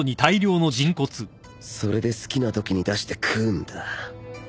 チッそれで好きなときに出して喰うんだ